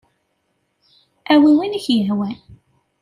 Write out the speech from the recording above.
Awi win ay ak-yehwan.